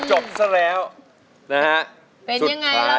จบซะแล้วนะฮะ